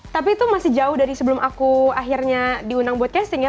tapi itu masih jauh dari sebelum aku akhirnya diundang buat casting ya